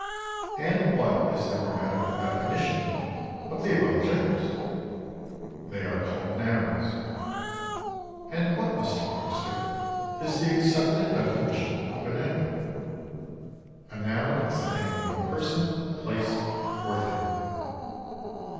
"And what is the grammatical definition of the above terms?" "They are called nouns." "And what, Mr. Webster, is the accepted definition of a noun?" "A noun is the name of a person, place or thing."